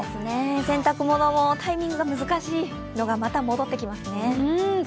洗濯物もタイミングが難しいのがまた戻ってきますね。